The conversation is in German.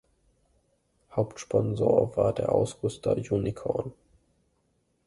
Hauptsponsor war der Ausrüster Unicorn.